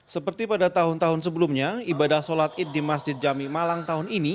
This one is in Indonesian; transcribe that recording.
seperti pada tahun tahun sebelumnya ibadah sholat id di masjid jami malang tahun ini